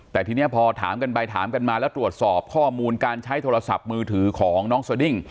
แต่ทีนี้พอถามกันไปถามกันมาแล้วตรวจสอบข้อมูลการใช้โทรศัพท์มือถือของน้องสดิ้ง